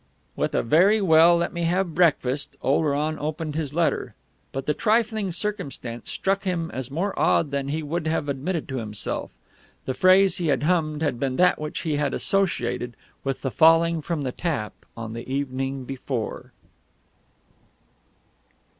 With a "Very well let me have breakfast," Oleron opened his letter; but the trifling circumstance struck him as more odd than he would have admitted to himself. The phrase he had hummed had been that which he had associated with the falling from the tap on the evening before.